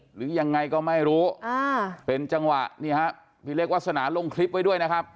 หรือยังไงก็ไม่รู้เป็นจังหวะนี่ฮะพี่เล็กวาสนาลงคลิปไว้ด้วยนะครับ